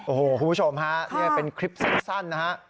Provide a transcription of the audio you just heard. โอ้โหคุณผู้ชมฮะนี่เป็นคลิปสั้นนะฮะ